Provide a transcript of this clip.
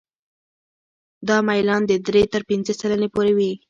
دا میلان د درې تر پنځه سلنې پورې وي